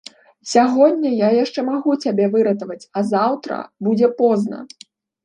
Сягоння я яшчэ магу цябе выратаваць, а заўтра будзе позна.